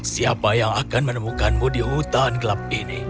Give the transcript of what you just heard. siapa yang akan menemukanmu di hutan gelap ini